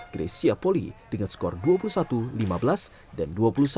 grecia poli dengan skor dua puluh satu lima belas dan dua puluh satu enam belas